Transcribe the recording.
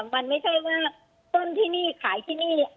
มันไม่ใช่ว่าต้นที่นี่ขายที่นี่